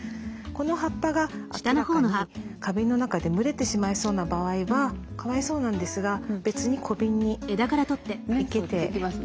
この葉っぱが明らかに花瓶の中で蒸れてしまいそうな場合はかわいそうなんですが別に小瓶に生けて。